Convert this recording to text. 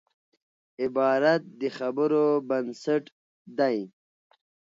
عبارت د خبرو بنسټ دئ.